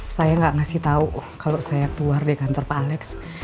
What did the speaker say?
saya gak ngasih tau kalau saya keluar dari kantor pak alex